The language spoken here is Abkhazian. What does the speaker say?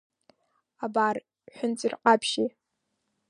Абар, ҳәынҵәырҟаԥшьи…